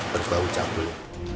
terus bahwa ucap dulu